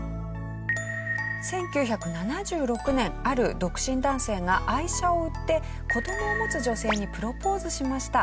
１９７６年ある独身男性が愛車を売って子供を持つ女性にプロポーズしました。